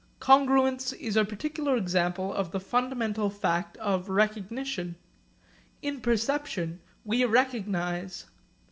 Congruence is a particular example of the fundamental fact of recognition. In perception we recognise.